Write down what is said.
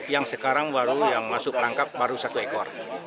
yang sekarang baru yang masuk rangkap baru satu ekor